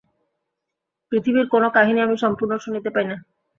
পৃথিবীর কোনো কাহিনী আমি সম্পূর্ণ শুনিতে পাই না।